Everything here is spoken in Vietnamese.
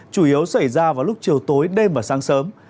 chủ yếu xảy ra vào lúc chiều tối đêm và sáng sớm